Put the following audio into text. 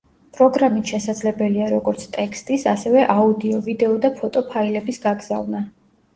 პროგრამით შესაძლებელია როგორც ტექსტის, ასევე აუდიო, ვიდეო და ფოტო ფაილების გაგზავნა.